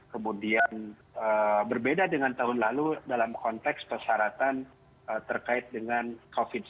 kemudian berbeda dengan tahun lalu dalam konteks persyaratan terkait dengan covid sembilan belas